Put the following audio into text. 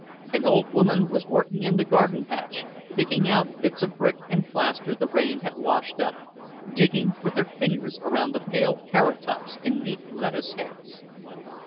An old woman was working in the garden patch, picking out bits of brick and plaster the rain had washed up, digging with her fingers around the pale carrot tops and neat lettuce heads.